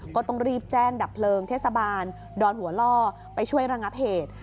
ก็ต้องรีบแจ้งดับเพลิงเทศบาลดอนหัวล่อไปช่วยระงับเหตุ